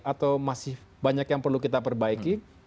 atau masih banyak yang perlu kita perbaiki